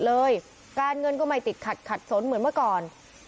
เลยการเงินก็ไม่ติดขัดขัดสนเหมือนเมื่อก่อน